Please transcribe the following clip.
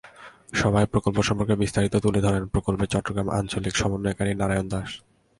সভায় প্রকল্প সম্পর্কে বিস্তারিত তুলে ধরেন প্রকল্পের চট্টগ্রাম আঞ্চলিক সমন্বয়কারী নারায়ণ দাশ।